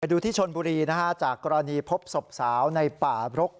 ดูที่ชนบุรีนะฮะจากกรณีพบศพสาวในป่าบรก